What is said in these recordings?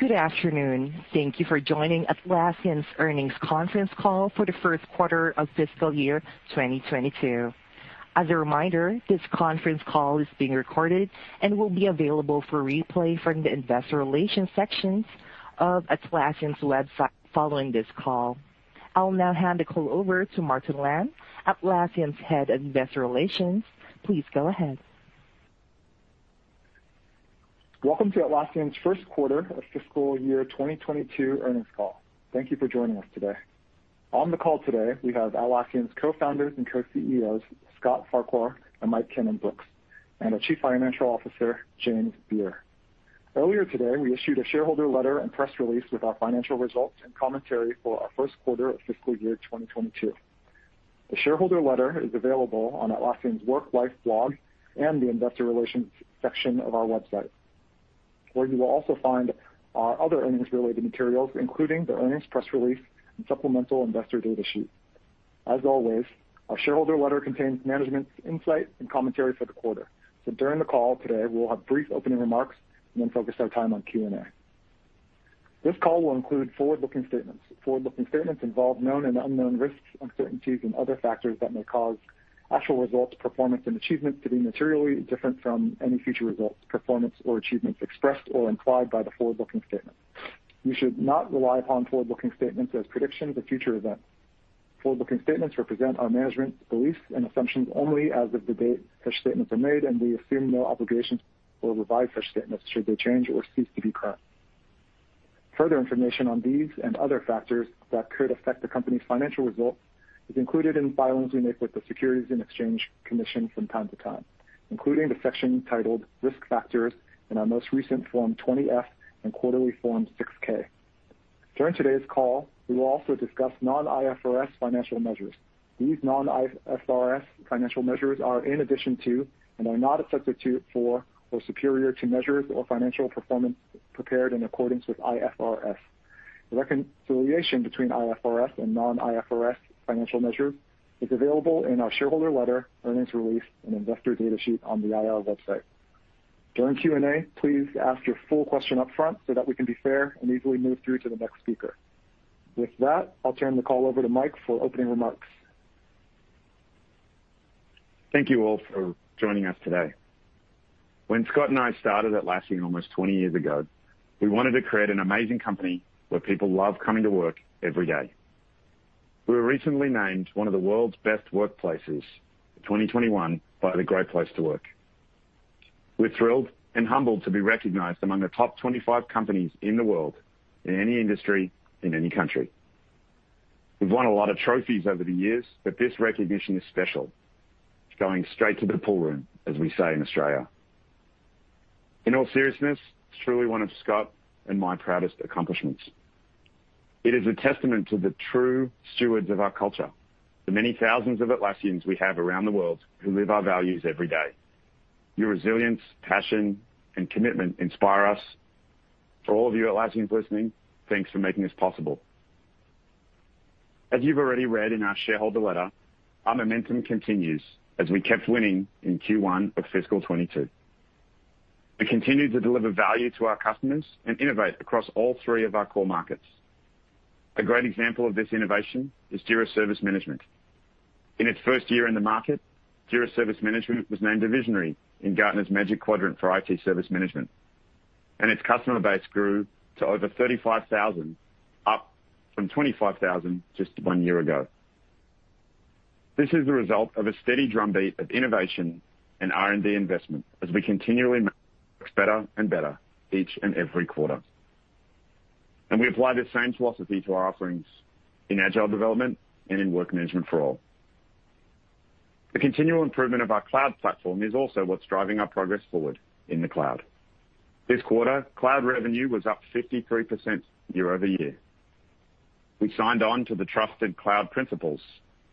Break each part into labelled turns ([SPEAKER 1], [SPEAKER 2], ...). [SPEAKER 1] Good afternoon. Thank you for joining Atlassian's earnings conference call for the first quarter of fiscal year 2022. As a reminder, this conference call is being recorded and will be available for replay from the investor relations sections of Atlassian's website following this call. I'll now hand the call over to Martin Lam, Atlassian's Head of Investor Relations. Please go ahead.
[SPEAKER 2] Welcome to Atlassian's first quarter of fiscal year 2022 earnings call. Thank you for joining us today. On the call today, we have Atlassian's Co-Founders and Co-CEOs, Scott Farquhar and Mike Cannon-Brookes, and our Chief Financial Officer, James Beer. Earlier today, we issued a shareholder letter and press release with our financial results and commentary for our first quarter of fiscal year 2022. The shareholder letter is available on Atlassian's Work Life blog and the investor relations section of our website, where you will also find our other earnings-related materials, including the earnings press release and supplemental investor data sheet. As always, our shareholder letter contains management's insight and commentary for the quarter. During the call today, we'll have brief opening remarks and then focus our time on Q&A. This call will include forward-looking statements. Forward-looking statements involve known and unknown risks, uncertainties and other factors that may cause actual results, performance and achievements to be materially different from any future results, performance or achievements expressed or implied by the forward-looking statements. You should not rely upon forward-looking statements as predictions of future events. Forward-looking statements represent our management's beliefs and assumptions only as of the date such statements are made, and we assume no obligation to revise such statements should they change or cease to be correct. Further information on these and other factors that could affect the company's financial results is included in filings we make with the Securities and Exchange Commission from time to time, including the section titled Risk Factors in our most recent Form 20-F and quarterly Form 6-K. During today's call, we will also discuss non-IFRS financial measures. These non-IFRS financial measures are in addition to and are not a substitute for or superior to measures or financial performance prepared in accordance with IFRS. The reconciliation between IFRS and non-IFRS financial measures is available in our shareholder letter, earnings release and investor data sheet on the IR website. During Q&A, please ask your full question up front so that we can be fair and easily move through to the next speaker. With that, I'll turn the call over to Mike for opening remarks.
[SPEAKER 3] Thank you all for joining us today. When Scott and I started Atlassian almost twenty years ago, we wanted to create an amazing company where people love coming to work every day. We were recently named one of the world's best workplaces 2021 by the Great Place to Work. We're thrilled and humbled to be recognized among the top 25 companies in the world, in any industry, in any country. We've won a lot of trophies over the years, but this recognition is special. It's going straight to the pool room, as we say in Australia. In all seriousness, it's truly one of Scott and my proudest accomplishments. It is a testament to the true stewards of our culture, the many thousands of Atlassians we have around the world who live our values every day. Your resilience, passion and commitment inspire us. For all of you Atlassians listening, thanks for making this possible. As you've already read in our shareholder letter, our momentum continues as we kept winning in Q1 of fiscal 2022. We continue to deliver value to our customers and innovate across all three of our core markets. A great example of this innovation is Jira Service Management. In its first year in the market, Jira Service Management was named a visionary in Gartner's Magic Quadrant for IT Service Management, and its customer base grew to over 35,000, up from 25,000 just one year ago. This is the result of a steady drumbeat of innovation and R&D investment as we continually make products better and better each and every quarter. We apply this same philosophy to our offerings in agile development and in work management for all. The continual improvement of our Cloud platform is also what's driving our progress forward in the Cloud. This quarter, Cloud revenue was up 53% year-over-year. We signed on to the Trusted Cloud Principles,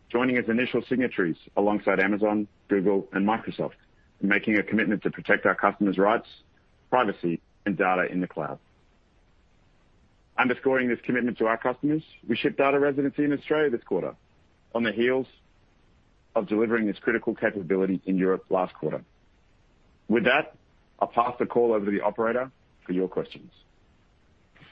[SPEAKER 3] joining as initial signatories alongside Amazon, Google, and Microsoft, making a commitment to protect our customers' rights, privacy and data in the Cloud. Underscoring this commitment to our customers, we shipped data residency in Australia this quarter on the heels of delivering this critical capability in Europe last quarter. With that, I'll pass the call over to the operator for your questions.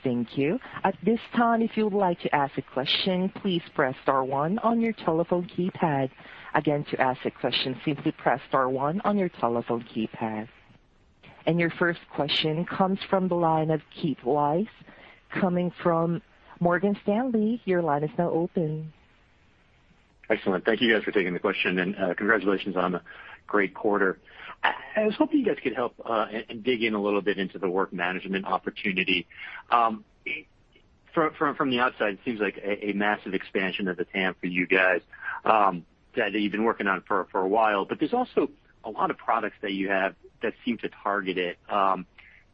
[SPEAKER 1] Thank you. At this time, if you would like to ask a question, please press star one on your telephone keypad. Again, to ask a question, simply press star one on your telephone keypad. Your first question comes from the line of Keith Weiss, coming from Morgan Stanley. Your line is now open.
[SPEAKER 4] Excellent. Thank you guys for taking the question and, congratulations on a great quarter. I was hoping you guys could help and dig in a little bit into the work management opportunity. From the outside, it seems like a massive expansion of the TAM for you guys that you've been working on for a while. There's also a lot of products that you have that seem to target it.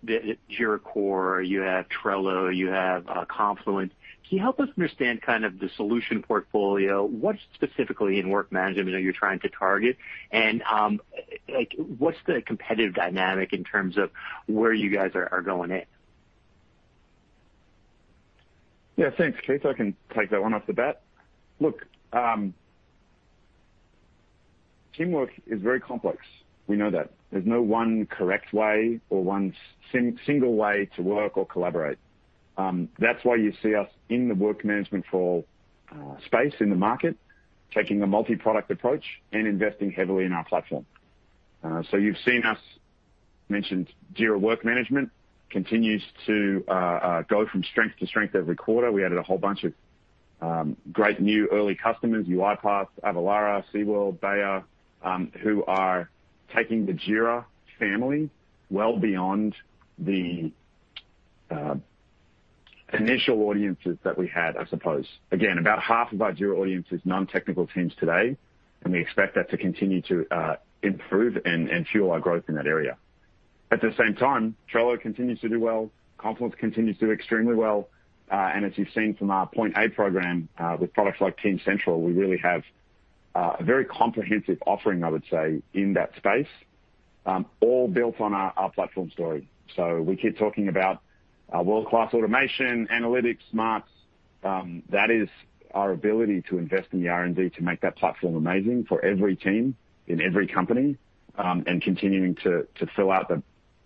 [SPEAKER 4] The Jira Core, you have Trello, you have Confluence. Can you help us understand kind of the solution portfolio? What specifically in work management are you trying to target? Like, what's the competitive dynamic in terms of where you guys are going in?
[SPEAKER 3] Yeah, thanks, Keith. I can take that one off the bat. Look, Teamwork is very complex. We know that. There's no one correct way or one single way to work or collaborate. That's why you see us in the work management space in the market, taking a multi-product approach and investing heavily in our platform. So you've seen us mention Jira Work Management continues to go from strength to strength every quarter. We added a whole bunch of great new early customers, UiPath, Avalara, SeaWorld, Bayer, who are taking the Jira family well beyond the initial audiences that we had, I suppose. Again, about half of our Jira audience is non-technical teams today, and we expect that to continue to improve and fuel our growth in that area. At the same time, Trello continues to do well. Confluence continues to do extremely well. As you've seen from our Point A program, with products like Team Central, we really have a very comprehensive offering, I would say, in that space, all built on our platform story. We keep talking about our world-class automation, analytics, smarts. That is our ability to invest in the R&D to make that platform amazing for every team in every company, and continuing to fill out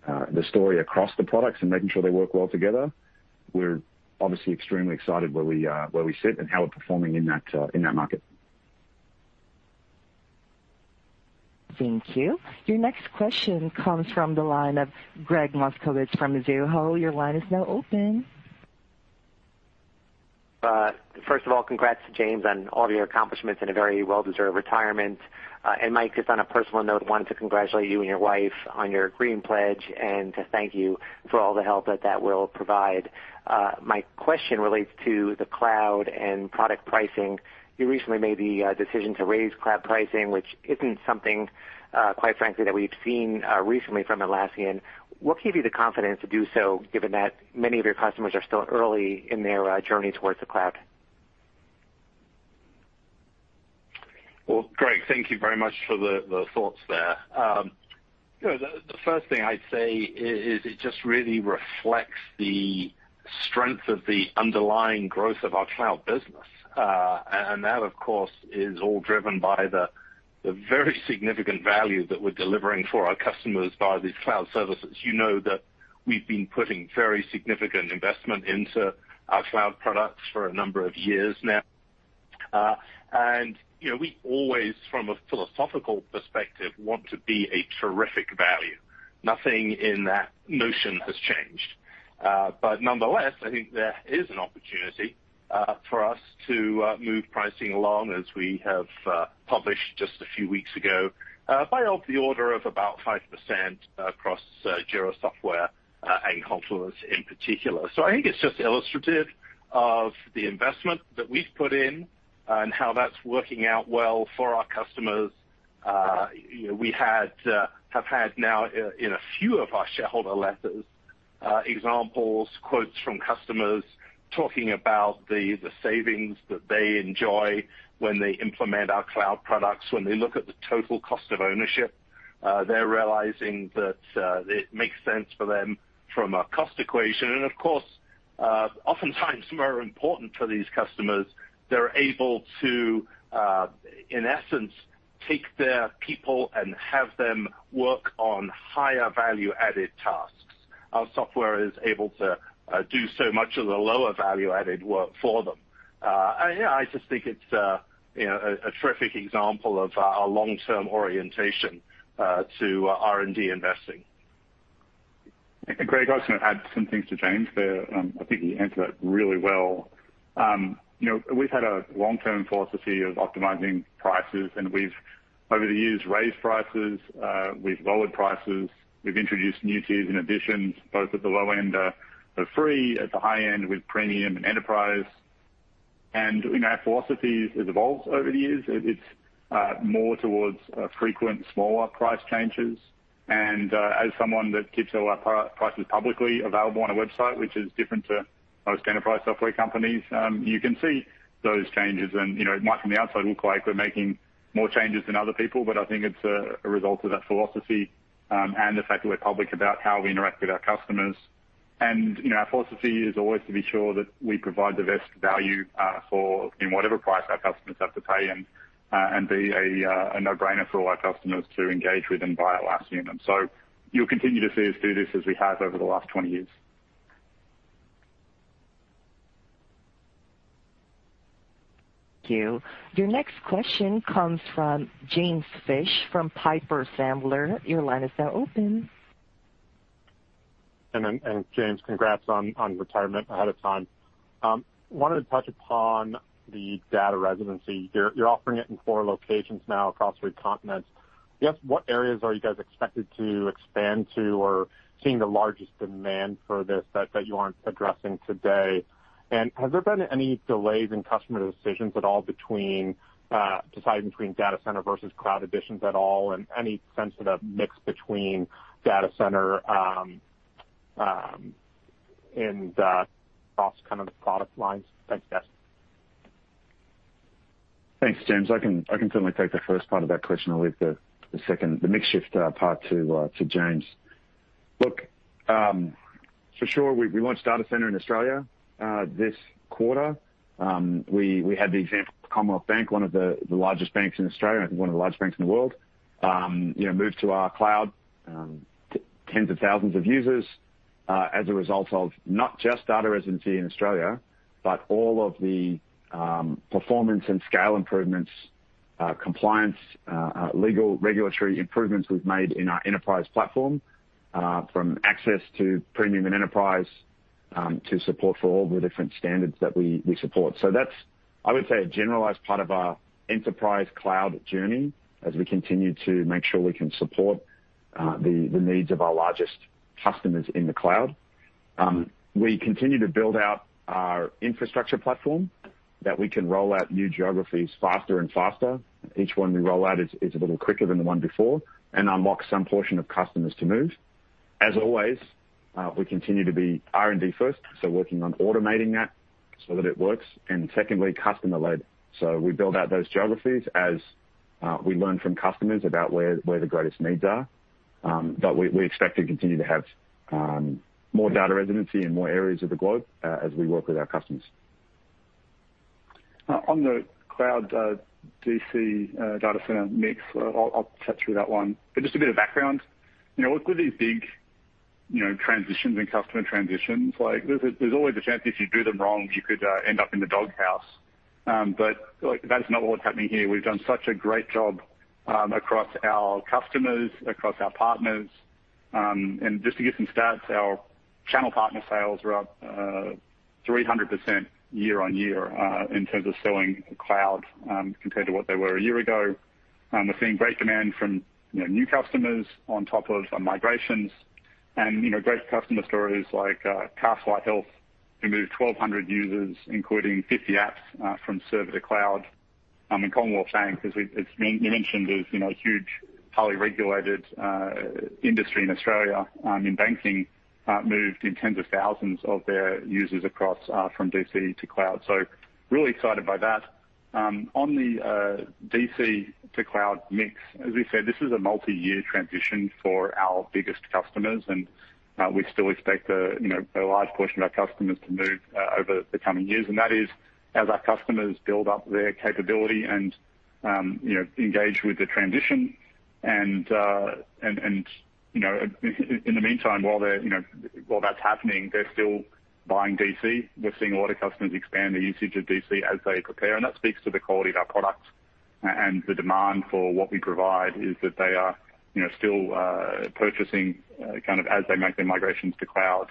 [SPEAKER 3] the story across the products and making sure they work well together. We're obviously extremely excited where we sit and how we're performing in that market.
[SPEAKER 1] Thank you. Your next question comes from the line of Gregg Moskowitz from Mizuho. Your line is now open.
[SPEAKER 5] First of all, congrats to James on all your accomplishments and a very well-deserved retirement. Mike, just on a personal note, wanted to congratulate you and your wife on your green pledge and to thank you for all the help that that will provide. My question relates to the Cloud and product pricing. You recently made the decision to raise Cloud pricing, which isn't something, quite frankly, that we've seen recently from Atlassian. What gave you the confidence to do so, given that many of your customers are still early in their journey towards the Cloud?
[SPEAKER 6] Well, Greg, thank you very much for the thoughts there. You know, the first thing I'd say is it just really reflects the strength of the underlying growth of our Cloud business. That, of course, is all driven by the very significant value that we're delivering for our customers via these Cloud services. You know that we've been putting very significant investment into our Cloud products for a number of years now. You know, we always, from a philosophical perspective, want to be a terrific value. Nothing in that notion has changed. Nonetheless, I think there is an opportunity for us to move pricing along as we have published just a few weeks ago by of the order of about 5% across Jira Software and Confluence in particular. I think it's just illustrative of the investment that we've put in and how that's working out well for our customers. You know, we have had now in a few of our shareholder letters examples, quotes from customers talking about the savings that they enjoy when they implement our Cloud products. When they look at the total cost of ownership, they're realizing that it makes sense for them from a cost equation. Of course, oftentimes more important for these customers, they're able to in essence take their people and have them work on higher value-added tasks. Our software is able to do so much of the lower value-added work for them. You know, I just think it's you know, a terrific example of our long-term orientation to R&D investing.
[SPEAKER 7] Gregg, I was going to add some things to James there. I think he answered that really well. You know, we've had a long-term philosophy of optimizing prices, and we've over the years raised prices. We've lowered prices. We've introduced new tiers and additions, both at the low end for free, at the high end with Premium and Enterprise. Our philosophy has evolved over the years. It's more towards frequent, smaller price changes. As someone that keeps our prices publicly available on a website, which is different to most enterprise software companies, you can see those changes. You know, it might from the outside look like we're making more changes than other people, but I think it's a result of that philosophy and the fact that we're public about how we interact with our customers. You know, our philosophy is always to be sure that we provide the best value for in whatever price our customers have to pay and be a no-brainer for our customers to engage with and buy Atlassian. You'll continue to see us do this as we have over the last 20 years.
[SPEAKER 1] Thank you. Your next question comes from James Fish from Piper Sandler. Your line is now open.
[SPEAKER 8] James, congrats on retirement ahead of time. Wanted to touch upon the data residency. You're offering it in four locations now across three continents. I guess, what areas are you guys expected to expand to or seeing the largest demand for this that you aren't addressing today? Have there been any delays in customer decisions at all between deciding between Data Center versus Cloud editions at all and any sense of the mix between Data Center and across kind of the product lines? Thanks, guys.
[SPEAKER 7] Thanks, James. I can certainly take the first part of that question. I'll leave the second, the mix shift, part to James. Look, for sure, we launched Data Center in Australia this quarter. We had the example of Commonwealth Bank, one of the largest banks in Australia, one of the largest banks in the world, you know, move to our Cloud, tens of thousands of users, as a result of not just data residency in Australia, but all of the performance and scale improvements, compliance, legal regulatory improvements we've made in our enterprise platform, from access to premium and enterprise, to support for all the different standards that we support. That's, I would say, a generalized part of our enterprise Cloud journey as we continue to make sure we can support the needs of our largest customers in the Cloud. We continue to build out our infrastructure platform that we can roll out new geographies faster and faster. Each one we roll out is a little quicker than the one before and unlock some portion of customers to move. As always, we continue to be R&D first, so working on automating that so that it works, and secondly, customer-led. We build out those geographies as we learn from customers about where the greatest needs are. We expect to continue to have more data residency in more areas of the globe as we work with our customers. On the Cloud, DC, Data Center mix, I'll chat through that one. Just a bit of background, you know, with these big, you know, transitions and customer transitions, like, there's always a chance if you do them wrong, you could end up in the Doghouse. That is not what's happening here. We've done such a great job across our customers, across our partners. Just to give some stats, our channel partner sales are up 300% year-over-year in terms of selling Cloud compared to what they were a year ago. We're seeing great demand from, you know, new customers on top of migrations and, you know, great customer stories like CHG Healthcare who moved 1,200 users, including 50 apps, from server to Cloud. Commonwealth Bank, as you mentioned, is, you know, a huge, highly regulated industry in Australia in banking, moved tens of thousands of their users across from DC to Cloud. Really excited by that. On the DC to Cloud mix, as we said, this is a multi-year transition for our biggest customers, and we still expect, you know, a large portion of our customers to move over the coming years, and that is as our customers build up their capability and, you know, engage with the transition. You know, in the meantime, while that's happening, they're still buying DC. We're seeing a lot of customers expand their usage of DC as they prepare, and that speaks to the quality of our product. The demand for what we provide is that they are, you know, still, purchasing kind of as they make their migrations to Cloud.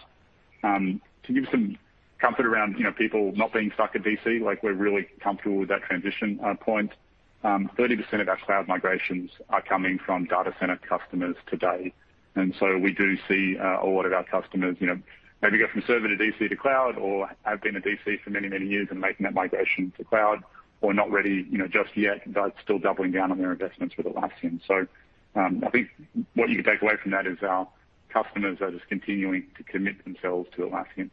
[SPEAKER 7] To give some comfort around, you know, people not being stuck at DC, like we're really comfortable with that transition, point. 30% of our Cloud migrations are coming from Data Center customers today. We do see a lot of our customers, you know, maybe go from server to DC to Cloud or have been a DC for many, many years and making that migration to Cloud or not ready, you know, just yet, but still doubling down on their investments with Atlassian. I think what you take away from that is our customers are just continuing to commit themselves to Atlassian.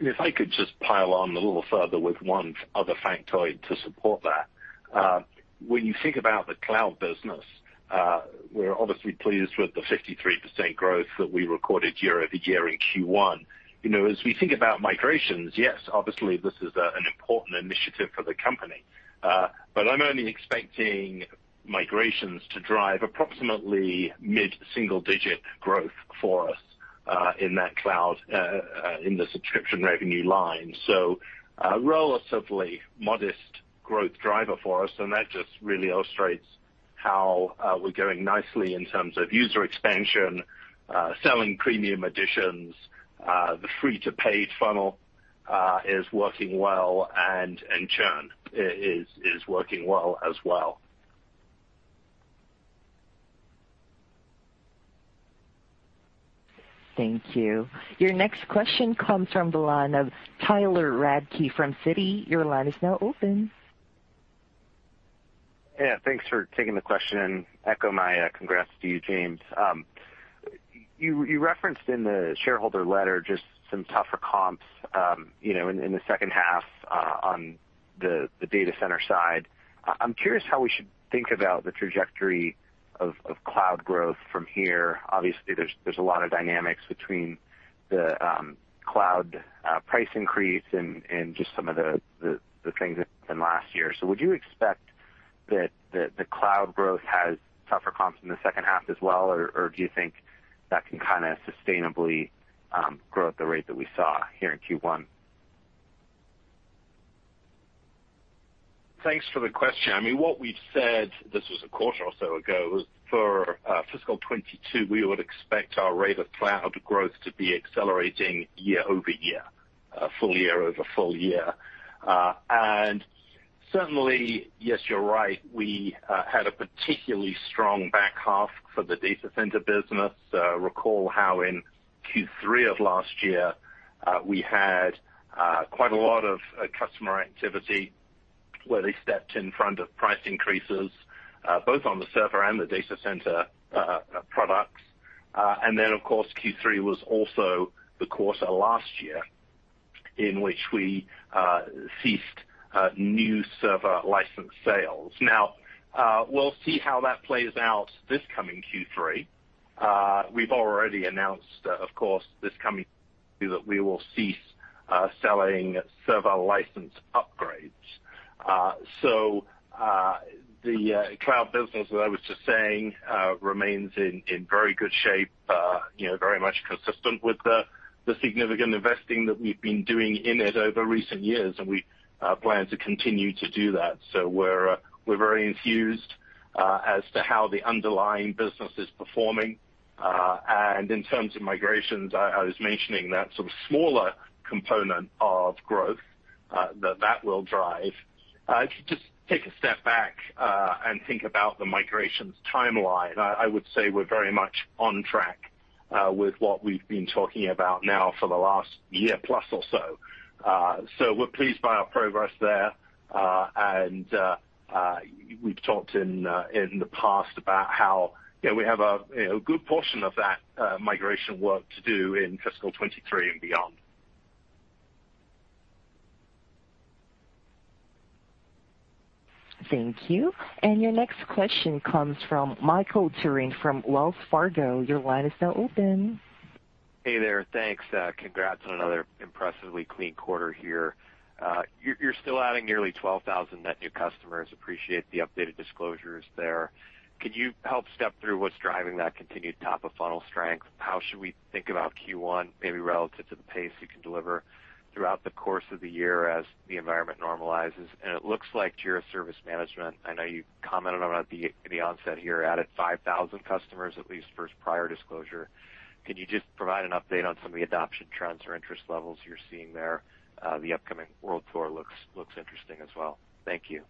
[SPEAKER 6] If I could just pile on a little further with one other factoid to support that. When you think about the Cloud business, we're obviously pleased with the 53% growth that we recorded year-over-year in Q1. You know, as we think about migrations, yes, obviously this is an important initiative for the company. But I'm only expecting migrations to drive approximately mid-single-digit growth for us in that Cloud in the subscription revenue line. A relatively modest growth driver for us, and that just really illustrates how we're going nicely in terms of user expansion, selling premium editions. The free to paid funnel is working well and churn is working well as well.
[SPEAKER 1] Thank you. Your next question comes from the line of Tyler Radke from Citi. Your line is now open.
[SPEAKER 9] Yeah, thanks for taking the question and echo my congrats to you, James. You referenced in the shareholder letter just some tougher comps, you know, in the second half, on the Data Center side. I'm curious how we should think about the trajectory of Cloud growth from here. Obviously, there's a lot of dynamics between the Cloud price increase and just some of the trends from last year. Would you expect that the Cloud growth has tougher comps in the second half as well, or do you think that can kinda sustainably grow at the rate that we saw here in Q1?
[SPEAKER 6] Thanks for the question. I mean, what we've said, this was a quarter or so ago, was for fiscal 2022, we would expect our rate of Cloud growth to be accelerating year-over-year full year over full year. Certainly, yes, you're right, we had a particularly strong back half for the Data Center business. Recall how in Q3 of last year, we had quite a lot of customer activity where they stepped in front of price increases, both on the server and the Data Center products. Of course, Q3 was also the quarter last year- In which we ceased new server license sales. Now, we'll see how that plays out this coming Q3. We've already announced, of course, this coming Q that we will cease selling server license upgrades. The Cloud business, as I was just saying, remains in very good shape, you know, very much consistent with the significant investing that we've been doing in it over recent years, and we plan to continue to do that. We're very enthused as to how the underlying business is performing. In terms of migrations, I was mentioning that sort of smaller component of growth that will drive. If you just take a step back and think about the migrations timeline, I would say we're very much on track with what we've been talking about now for the last year plus or so. We're pleased by our progress there. We've talked in the past about how, you know, we have a, you know, a good portion of that migration work to do in fiscal 2023 and beyond.
[SPEAKER 1] Thank you. Your next question comes from Michael Turrin from Wells Fargo. Your line is now open.
[SPEAKER 10] Hey there. Thanks. Congrats on another impressively clean quarter here. You're still adding nearly 12,000 net new customers. Appreciate the updated disclosures there. Could you help step through what's driving that continued top of funnel strength? How should we think about Q1, maybe relative to the pace you can deliver throughout the course of the year as the environment normalizes? It looks like Jira Service Management, I know you commented on at the onset here, added 5,000 customers at least versus prior disclosure. Can you just provide an update on some of the adoption trends or interest levels you're seeing there? The upcoming world tour looks interesting as well. Thank you.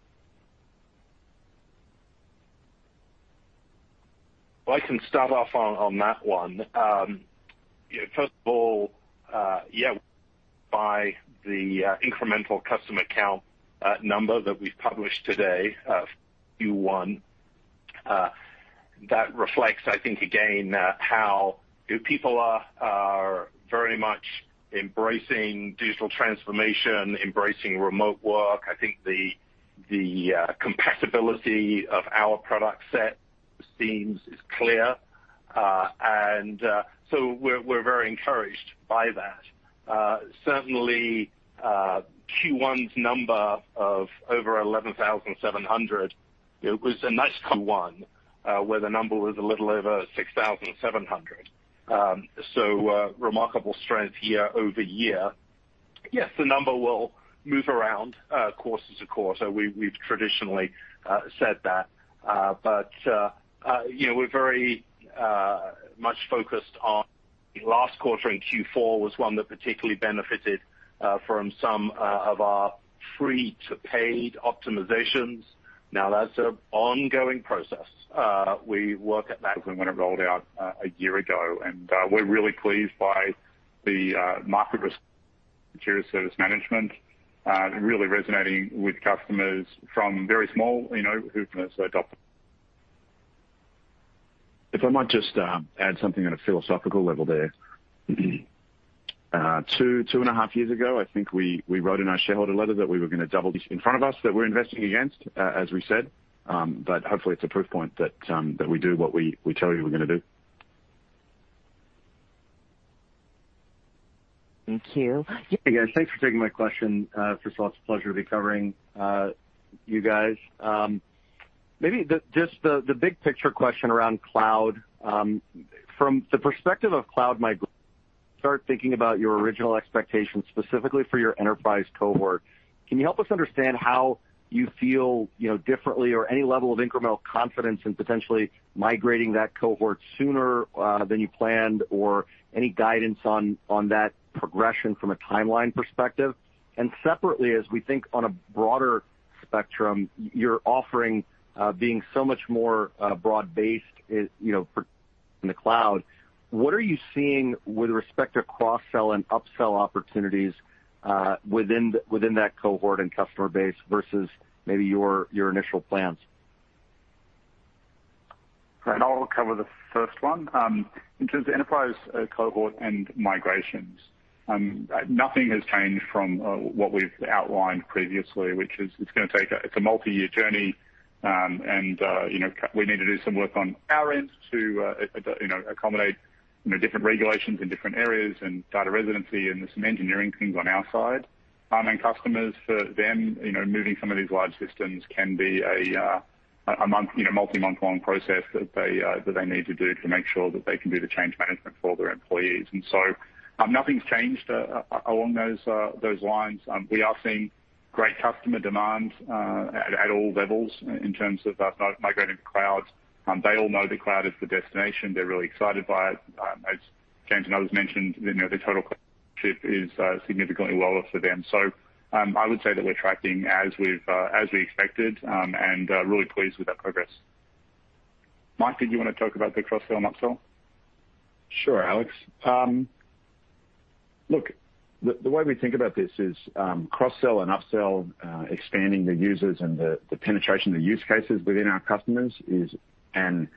[SPEAKER 6] I can start off on that one. First of all, yeah, by the incremental customer count number that we've published today of Q1, that reflects, I think again, how people are very much embracing digital transformation, embracing remote work. I think the compatibility of our product set seems clear. And so we're very encouraged by that. Certainly, Q1's number of over 11,700, it was a nice Q1 where the number was a little over 6,700. Remarkable strength year-over-year. Yes, the number will move around quarter to quarter. We've traditionally said that. You know, we're very much focused on. Last quarter in Q4 was one that particularly benefited from some of our free-to-paid optimizations. Now that's an ongoing process. We work at that when it rolled out a year ago, and we're really pleased by the market. It's Jira Service Management really resonating with customers from very small, you know, who've adopted.
[SPEAKER 3] If I might just add something at a philosophical level there. 2.5 years ago, I think we wrote in our shareholder letter that we were gonna double this in front of us that we're investing against, as we said. Hopefully it's a proof point that we do what we tell you we're gonna do.
[SPEAKER 1] Thank you.
[SPEAKER 11] Hey, guys. Thanks for taking my question. First of all, it's a pleasure to be covering you guys. Maybe just the big picture question around Cloud from the perspective of Cloud migration, start thinking about your original expectations specifically for your enterprise cohort. Can you help us understand how you feel differently or any level of incremental confidence in potentially migrating that cohort sooner than you planned or any guidance on that progression from a timeline perspective? And separately, as we think on a broader spectrum, your offering being so much more broad-based, you know, for in the Cloud, what are you seeing with respect to cross-sell and upsell opportunities within that cohort and customer base versus maybe your initial plans?
[SPEAKER 7] I'll cover the first one. In terms of enterprise cohort and migrations, nothing has changed from what we've outlined previously, which is it's a multi-year journey. You know, we need to do some work on our end to you know, accommodate you know, different regulations in different areas and data residency, and there's some engineering things on our side. Customers, for them, you know, moving some of these large systems can be a month you know multi-month-long process that they need to do to make sure that they can do the change management for their employees. Nothing's changed along those lines. We are seeing great customer demand at all levels in terms of migrating to Cloud. They all know the Cloud is the destination. They're really excited by it. As James and others mentioned, you know, the total cost is significantly lower for them. I would say that we're tracking as we expected, and really pleased with that progress. Mike, did you wanna talk about the cross-sell and upsell?
[SPEAKER 3] Sure, Alex. Look, the way we think about this is cross-sell and upsell, expanding the users and the penetration, the use cases within our customers is an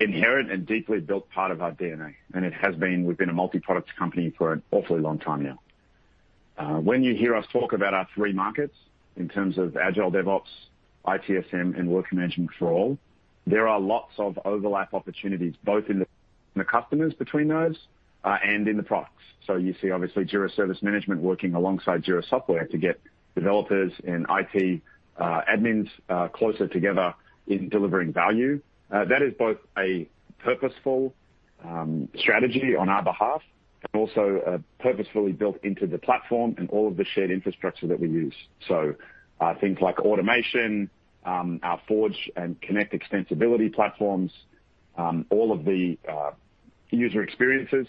[SPEAKER 3] inherent and deeply built part of our DNA. It has been, we've been a multi-product company for an awfully long time now. When you hear us talk about our three markets in terms of agile DevOps, ITSM, and work management for all, there are lots of overlap opportunities, both in the customers between those and in the products. You see, obviously, Jira Service Management working alongside Jira Software to get developers and IT admins closer together in delivering value. That is both a purposeful strategy on our behalf and also purposefully built into the platform and all of the shared infrastructure that we use. Things like automation, our Forge and Connect extensibility platforms, all of the user experiences,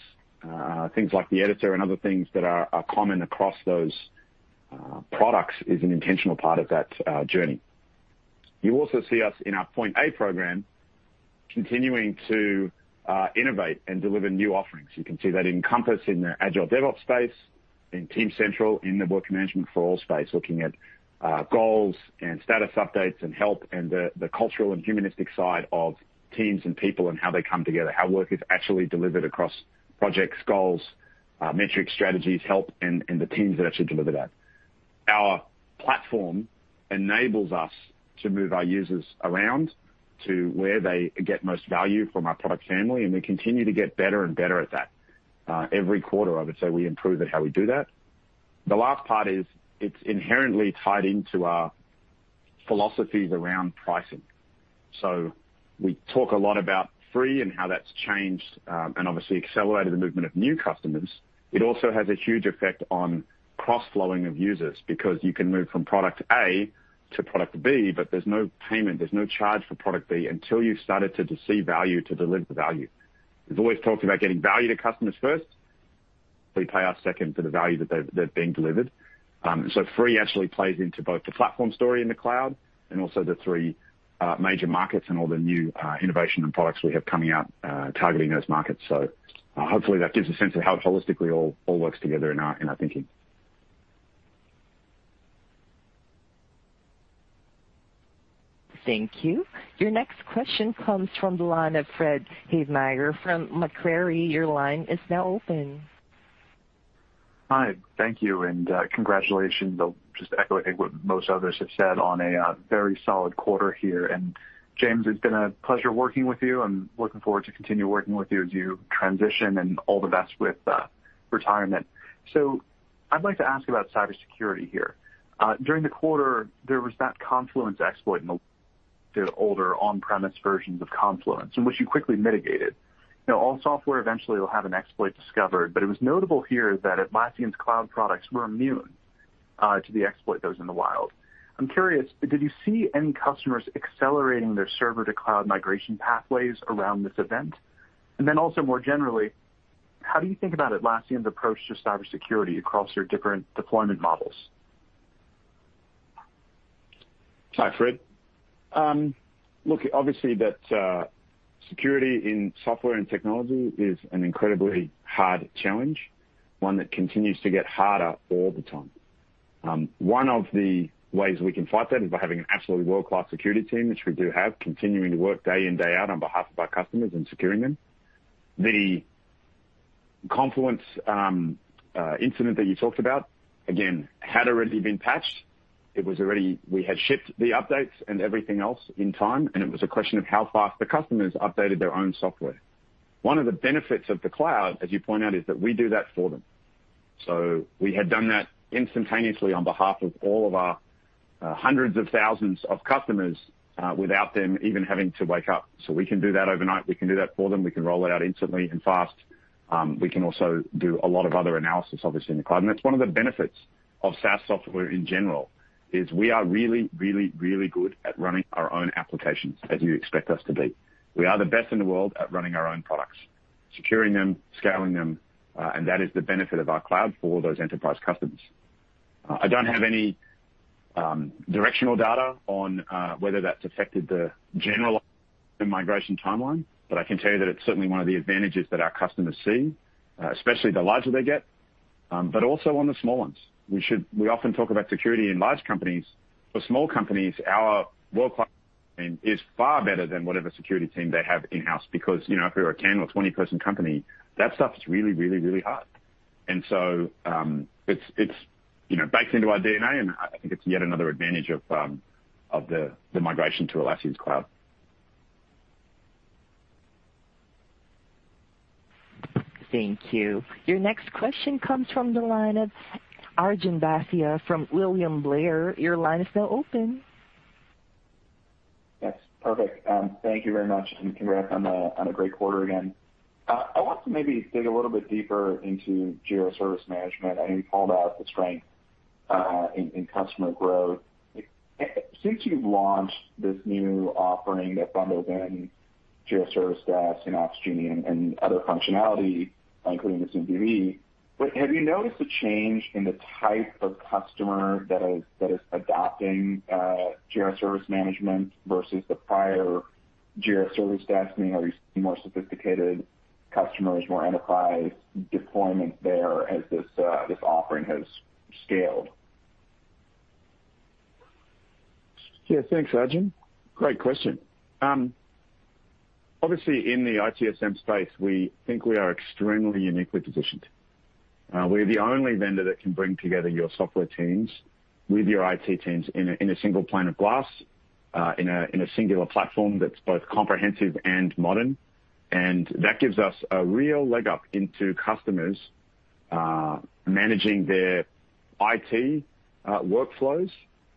[SPEAKER 3] things like the editor and other things that are common across those products is an intentional part of that journey. You also see us in our Point A program continuing to innovate and deliver new offerings. You can see that in Compass, in the Agile DevOps space, in Team Central, in the work management for all space, looking at goals and status updates and help and the cultural and humanistic side of teams and people and how they come together, how work is actually delivered across projects, goals, metric strategies, help, and the teams that actually deliver that. Our platform enables us to move our users around to where they get most value from our product family, and we continue to get better and better at that every quarter, I would say, we improve at how we do that. The last part is it's inherently tied into our philosophies around pricing. We talk a lot about free and how that's changed and obviously accelerated the movement of new customers. It also has a huge effect on cross-flowing of users because you can move from product A to product B, but there's no payment, there's no charge for product B until you've started to see value to deliver the value. We've always talked about getting value to customers first. They pay us second for the value that they're being delivered. Free actually plays into both the platform story in the Cloud and also the three major markets and all the new innovation and products we have coming out targeting those markets. Hopefully, that gives a sense of how it holistically all works together in our thinking.
[SPEAKER 1] Thank you. Your next question comes from the line of Fred Havemeyer from Macquarie. Your line is now open.
[SPEAKER 12] Hi. Thank you and congratulations. I'll just echo I think what most others have said on a very solid quarter here. James, it's been a pleasure working with you. I'm looking forward to continue working with you as you transition, and all the best with retirement. I'd like to ask about cybersecurity here. During the quarter, there was that Confluence exploit in the older on-premise versions of Confluence, in which you quickly mitigated. Now, all software eventually will have an exploit discovered, but it was notable here that Atlassian's Cloud products were immune to the exploit those in the wild. I'm curious, did you see any customers accelerating their server to Cloud migration pathways around this event? Also more generally, how do you think about Atlassian's approach to cybersecurity across your different deployment models?
[SPEAKER 7] Hi, Fred. Look, obviously that, security in software and technology is an incredibly hard challenge, one that continues to get harder all the time. One of the ways we can fight that is by having an absolutely world-class security team, which we do have, continuing to work day in, day out on behalf of our customers and securing them. The Confluence incident that you talked about, again, had already been patched. It was already. We had shipped the updates and everything else in time, and it was a question of how fast the customers updated their own software. One of the benefits of the Cloud, as you point out, is that we do that for them. We had done that instantaneously on behalf of all of our, hundreds of thousands of customers, without them even having to wake up. We can do that overnight. We can do that for them. We can roll it out instantly and fast. We can also do a lot of other analysis, obviously, in the Cloud. That's one of the benefits of SaaS software in general, is we are really, really, really good at running our own applications as you expect us to be. We are the best in the world at running our own products, securing them, scaling them, and that is the benefit of our Cloud for those enterprise customers. I don't have any directional data on whether that's affected the general migration timeline, but I can tell you that it's certainly one of the advantages that our customers see, especially the larger they get, but also on the small ones. We often talk about security in large companies. For small companies, our world-class team is far better than whatever security team they have in-house. Because, you know, if you're a 10 or 20-person company, that stuff is really, really, really hard. It's, you know, baked into our DNA, and I think it's yet another advantage of the migration to Atlassian's Cloud.
[SPEAKER 1] Thank you. Your next question comes from the line of Arjun Bhatia from William Blair. Your line is now open.
[SPEAKER 13] Yes. Perfect. Thank you very much, and congrats on a great quarter again. I want to maybe dig a little bit deeper into Jira Service Management. I know you called out the strength in customer growth. Since you've launched this new offering that bundles in Jira Service Desk and Opsgenie and other functionality, including the Zoom PV, but have you noticed a change in the type of customer that is adopting Jira Service Management versus the prior Jira Service Desk? I mean, are you seeing more sophisticated customers, more enterprise deployment there as this offering has scaled?
[SPEAKER 3] Yeah. Thanks, Arjun. Great question. Obviously in the ITSM space, we think we are extremely uniquely positioned. We're the only vendor that can bring together your software teams with your IT teams in a single pane of glass, in a singular platform that's both comprehensive and modern. That gives us a real leg up into customers managing their IT workflows,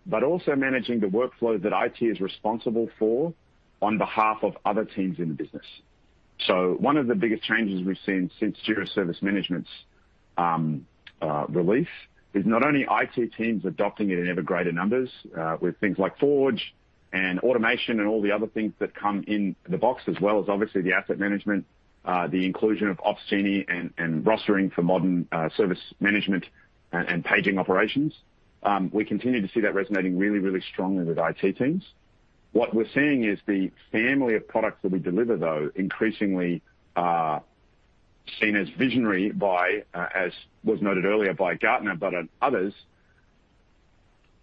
[SPEAKER 3] but also managing the workflow that IT is responsible for on behalf of other teams in the business. One of the biggest changes we've seen since Jira Service Management's release is not only IT teams adopting it in ever greater numbers, with things like Forge and automation and all the other things that come in the box, as well as obviously the asset management, the inclusion of Opsgenie and rostering for modern service management and paging operations. We continue to see that resonating really, really strongly with IT teams. What we're seeing is the family of products that we deliver, though, increasingly are seen as visionary by, as was noted earlier by Gartner, but others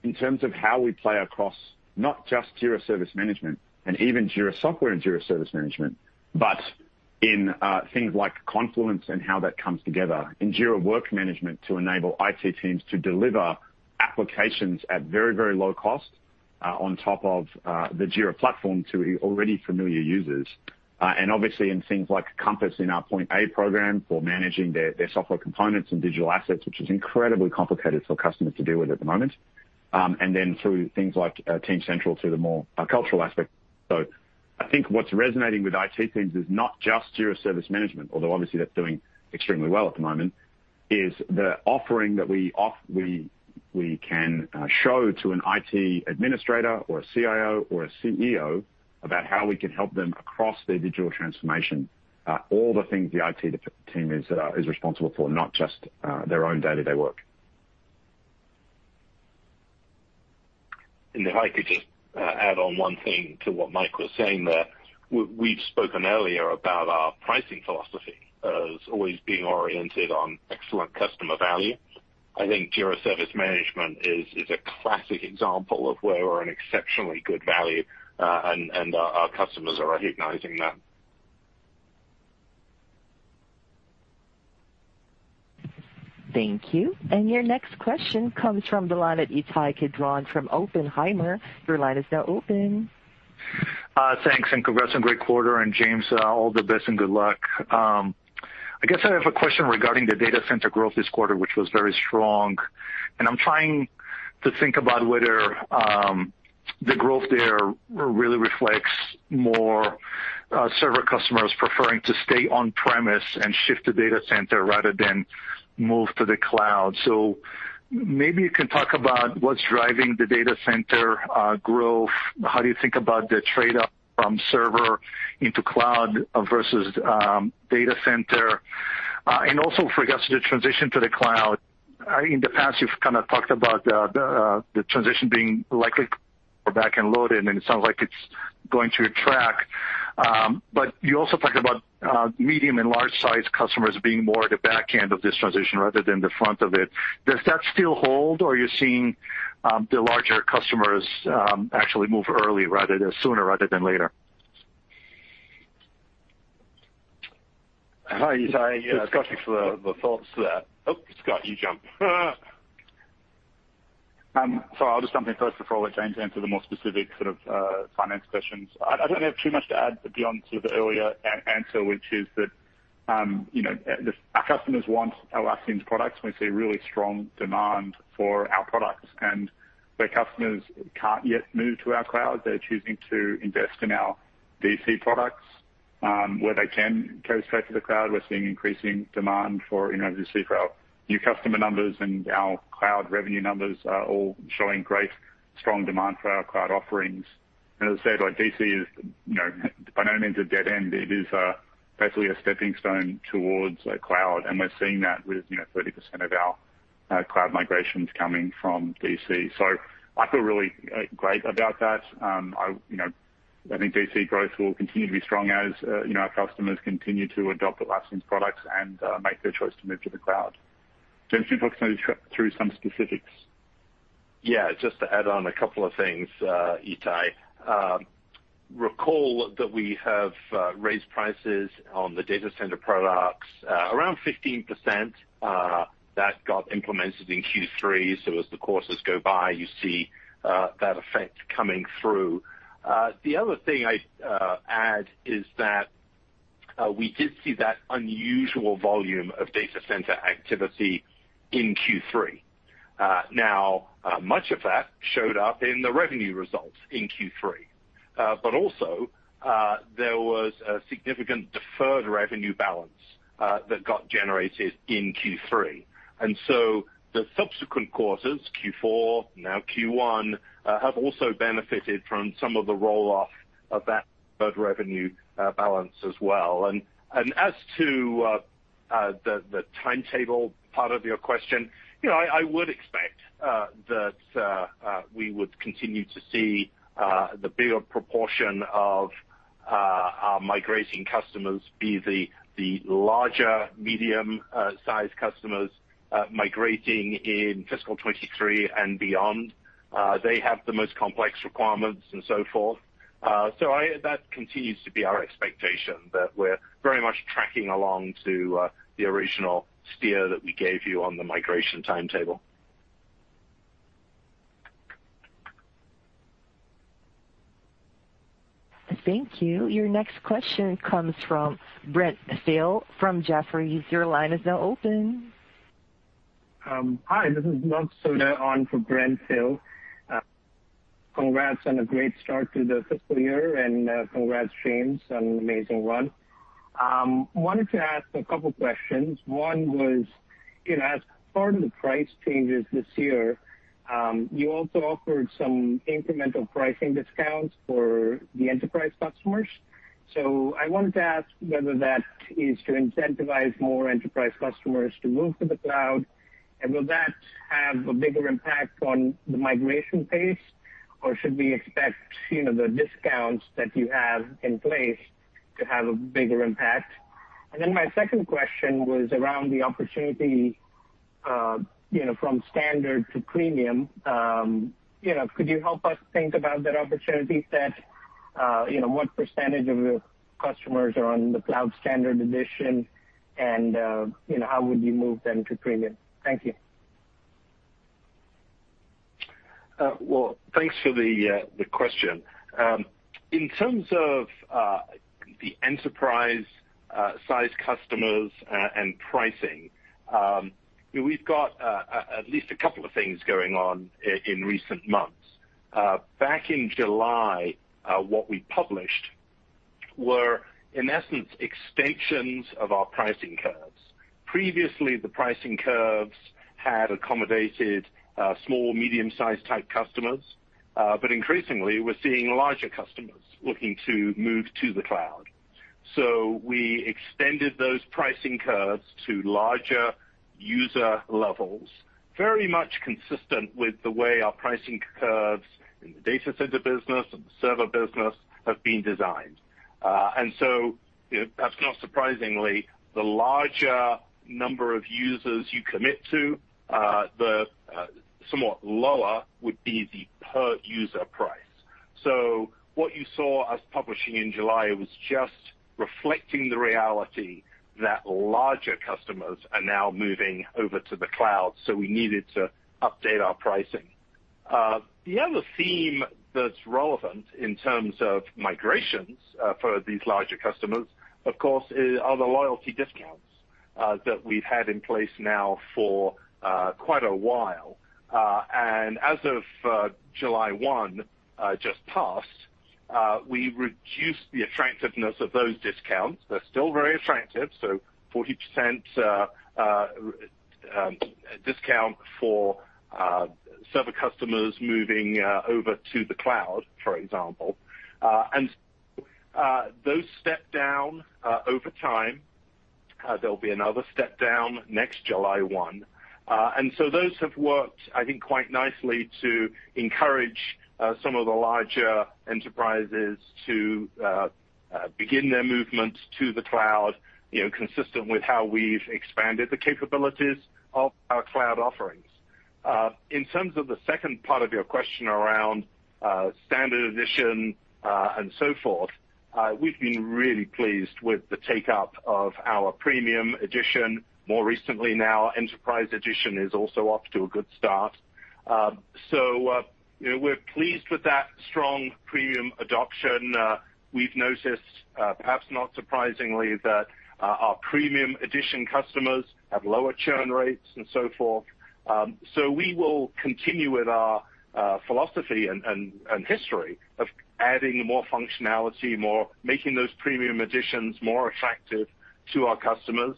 [SPEAKER 3] in terms of how we play across, not just Jira Service Management and even Jira Software, but in things like Confluence and how that comes together in Jira Work Management to enable IT teams to deliver applications at very, very low cost, on top of the Jira platform to already familiar users. Obviously in things like Compass in our Point A program for managing their software components and digital assets, which is incredibly complicated for customers to deal with at the moment. Through things like Team Central to the more cultural aspect. I think what's resonating with IT teams is not just Jira Service Management, although obviously that's doing extremely well at the moment, is the offering that we can show to an IT Administrator or a CIO or a CEO about how we can help them across their digital transformation, all the things the IT team is responsible for, not just their own day-to-day work. If I could just add on one thing to what Mike was saying there. We've spoken earlier about our pricing philosophy as always being oriented on excellent customer value. I think Jira Service Management is a classic example of where we're an exceptionally good value, and our customers are recognizing that.
[SPEAKER 1] Thank you. Your next question comes from the line at Ittai Kidron from Oppenheimer. Your line is now open.
[SPEAKER 14] Thanks, and congrats on great quarter. James, all the best and good luck. I guess I have a question regarding the Data Center growth this quarter, which was very strong, and I'm trying to think about whether the growth there really reflects more server customers preferring to stay on-premises and shift to Data Center rather than move to the Cloud. Maybe you can talk about what's driving the Data Center growth. How do you think about the trade-off from Server into Cloud versus Data Center? And also with regards to the transition to the Cloud. In the past you've kind of talked about the transition being likely back-end loaded, and it sounds like it's going to track. You also talked about medium and large-sized customers being more at the back end of this transition rather than the front of it. Does that still hold, or are you seeing the larger customers actually move sooner rather than later?
[SPEAKER 3] Hi, Ittai. Yeah, Scott, thanks for the thoughts there. Oh, Scott, you jumped.
[SPEAKER 7] So I'll just jump in first before I let James answer the more specific sort of finance questions. I don't have too much to add beyond sort of the earlier answer, which is that, you know, our customers want Atlassian's products, and we see really strong demand for our products. Where customers can't yet move to our Cloud, they're choosing to invest in our DC products. Where they can go straight to the Cloud, we're seeing increasing demand for, you know, as you see for our new customer numbers and our Cloud revenue numbers are all showing great strong demand for our Cloud offerings. As I said, like DC is, you know, by no means a dead end. It is basically a stepping stone towards a Cloud, and we're seeing that with, you know, 30% of our Cloud migrations coming from DC. I feel really great about that. You know, I think DC growth will continue to be strong as, you know, our customers continue to adopt Atlassian's products and make their choice to move to the Cloud. James, you talk maybe through some specifics.
[SPEAKER 6] Yeah, just to add on a couple of things, Ittai. Recall that we have raised prices on the Data Center products around 15%, that got implemented in Q3. As the quarters go by, you see that effect coming through. The other thing I'd add is that we did see that unusual volume of Data Center activity in Q3. Now, much of that showed up in the revenue results in Q3. But also, there was a significant deferred revenue balance that got generated in Q3. The subsequent quarters, Q4, now Q1, have also benefited from some of the roll off of that deferred revenue balance as well. As to the timetable part of your question, you know, I would expect that we would continue to see the bigger proportion of- Our migrating customers be the larger medium sized customers migrating in fiscal 2023 and beyond. That continues to be our expectation, that we're very much tracking along to the original steer that we gave you on the migration timetable.
[SPEAKER 1] Thank you. Your next question comes from Brent Thill from Jefferies. Your line is now open.
[SPEAKER 15] Hi, this is Luv Sodha on for Brent Thill. Congrats on a great start to the fiscal year, and congrats, James, on an amazing run. Wanted to ask a couple questions. One was, you know, as part of the price changes this year, you also offered some incremental pricing discounts for the enterprise customers. So I wanted to ask whether that is to incentivize more enterprise customers to move to the Cloud, and will that have a bigger impact on the migration pace, or should we expect, you know, the discounts that you have in place to have a bigger impact? My second question was around the opportunity, you know, from standard to premium. You know, could you help us think about that opportunity set? You know, what percentage of your customers are on the Cloud standard edition? You know, how would you move them to premium? Thank you.
[SPEAKER 6] Well, thanks for the question. In terms of the enterprise size customers and pricing, we've got at least a couple of things going on in recent months. Back in July, what we published were, in essence, extensions of our pricing curves. Previously, the pricing curves had accommodated small, medium-sized type customers, but increasingly, we're seeing larger customers looking to move to the Cloud. We extended those pricing curves to larger user levels, very much consistent with the way our pricing curves in the Data Center business and the server business have been designed. You know, perhaps not surprisingly, the larger number of users you commit to, the somewhat lower would be the per user price. What you saw us publishing in July was just reflecting the reality that larger customers are now moving over to the Cloud, so we needed to update our pricing. The other theme that's relevant in terms of migrations for these larger customers, of course, are the loyalty discounts that we've had in place now for quite a while. As of July 1 just passed, we reduced the attractiveness of those discounts. They're still very attractive, so 40% discount for server customers moving over to the Cloud, for example. Those step down over time. There'll be another step down next July 1. Those have worked, I think, quite nicely to encourage some of the larger enterprises to begin their movements to the Cloud, you know, consistent with how we've expanded the capabilities of our Cloud offerings. In terms of the second part of your question around standard edition and so forth, we've been really pleased with the take-up of our premium edition. More recently now, our enterprise edition is also off to a good start. You know, we're pleased with that strong premium adoption. We've noticed, perhaps not surprisingly, that our premium edition customers have lower churn rates and so forth. We will continue with our philosophy and history of adding more functionality, making those premium editions more attractive to our customers.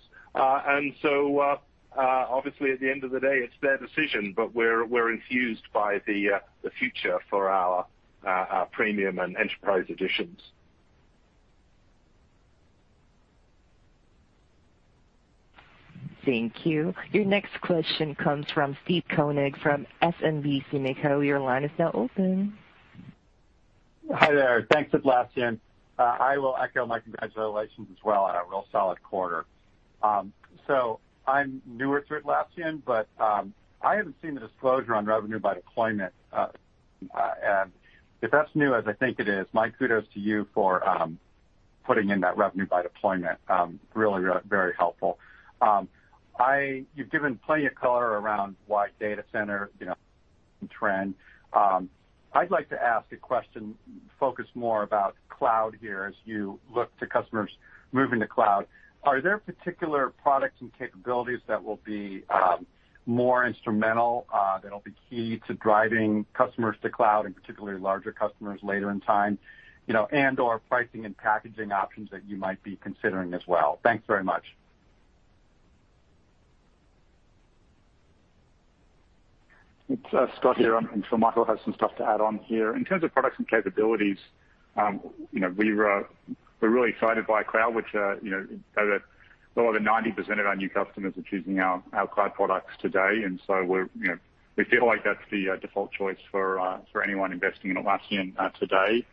[SPEAKER 6] Obviously, at the end of the day, it's their decision, but we're enthused by the future for our premium and enterprise editions.
[SPEAKER 1] Thank you. Your next question comes from Steve Koenig from SMBC Nikko. Your line is now open.
[SPEAKER 16] Hi there. Thanks, Atlassian. I will echo my congratulations as well on a real solid quarter. So I'm newer to Atlassian, but I haven't seen the disclosure on revenue by deployment. And if that's new as I think it is, my kudos to you for putting in that revenue by deployment, really very helpful. You've given plenty of color around why Data Center, you know, trend. I'd like to ask a question focused more about Cloud here, as you look to customers moving to Cloud. Are there particular products and capabilities that will be more instrumental, that'll be key to driving customers to Cloud and particularly larger customers later in time? You know, and/or pricing and packaging options that you might be considering as well. Thanks very much.
[SPEAKER 7] It's Scott here, and I'm sure Michael has some stuff to add on here. In terms of products and capabilities, you know, we're really excited by Cloud, which, you know Well over 90% of our new customers are choosing our Cloud products today. We feel like that's the default choice for anyone investing in Atlassian today.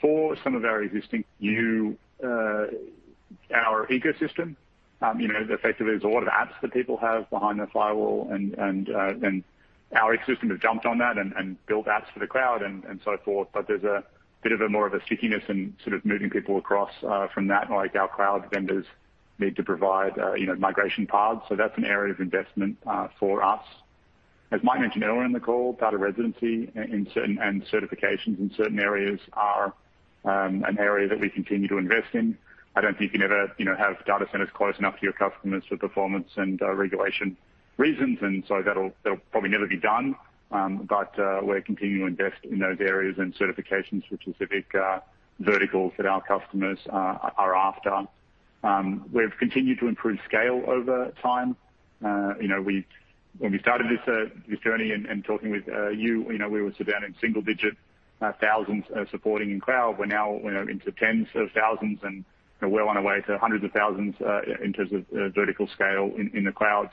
[SPEAKER 7] For some of our existing new our ecosystem, you know, effectively there's a lot of apps that people have behind the firewall and our ecosystem have jumped on that and built apps for the Cloud and so forth. There's a bit more of a stickiness in sort of moving people across from that, like our Cloud vendors need to provide you know migration paths. That's an area of investment for us. As Mike mentioned earlier in the call, data residency and certain and certifications in certain areas are an area that we continue to invest in. I don't think you can ever, you know, have Data Centers close enough to your customers for performance and regulation reasons, and so that'll probably never be done. We're continuing to invest in those areas and certifications for specific verticals that our customers are after. We've continued to improve scale over time. You know, when we started this journey and talking with you know, we would support single-digit thousands in Cloud. We're now, you know, into tens of thousands and we're well on our way to hundreds of thousands in terms of vertical scale in the Cloud.